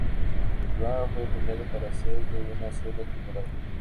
El programa fue planeado para ser de una sola temporada.